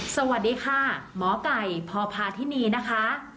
สวัสดีค่ะหมอไก่พพาธินีนะคะ